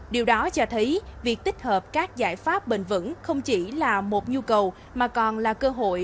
điều đó cho thấy việc tích hợp các giải pháp bền vững không chỉ là một nhu cầu mà còn là cơ hội